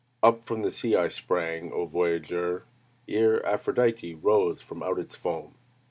"Up from the sea I sprang, O voyager, Ere Aphrodite rose from out its foam.